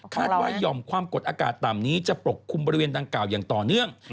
ว่าหย่อมความกดอากาศต่ำนี้จะปกคลุมบริเวณดังกล่าวอย่างต่อเนื่อง